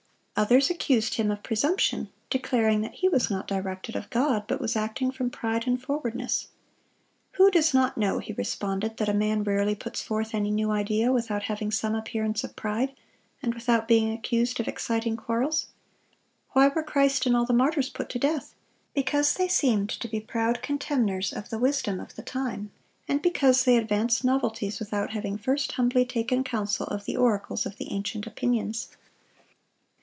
Others accused him of presumption, declaring that he was not directed of God, but was acting from pride and forwardness. "Who does not know," he responded, "that a man rarely puts forth any new idea without having some appearance of pride, and without being accused of exciting quarrels?... Why were Christ and all the martyrs put to death? Because they seemed to be proud contemners of the wisdom of the time, and because they advanced novelties without having first humbly taken counsel of the oracles of the ancient opinions."